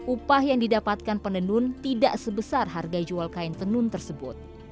upah yang didapatkan penenun tidak sebesar harga jual kain tenun tersebut